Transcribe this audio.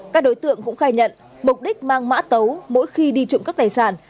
các đối tượng cũng khai nhận mục đích mang mã tấu mỗi khi đi trộn các tài sản